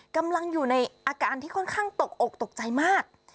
กำลังอยู่ในอาการที่ค่อนข้างตกอกตกใจมาก